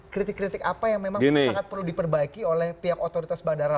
kritik kritik apa yang memang sangat perlu diperbaiki oleh pihak otoritas bandara